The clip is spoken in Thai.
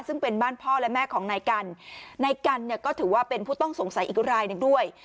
ซึ่งเป็นบ้านพ่อและแม่ของนายกันนายกันเนี่ยก็ถือว่าเป็นผู้ต้องสงสัยอีกรายหนึ่งด้วย